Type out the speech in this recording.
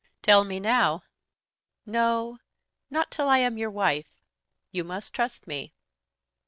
"Tell me now." "No; not till I am your wife. You must trust me.